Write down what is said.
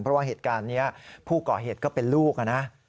เพราะว่าเหตุการณ์นี้ผู้ก่อเหตุก็เป็นลูกนะ